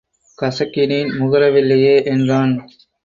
கசக்கினேன் முகர வில்லையே என்றான்.